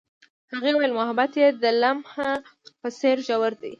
هغې وویل محبت یې د لمحه په څېر ژور دی.